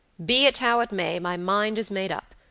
Be it how it may, my mind is made up.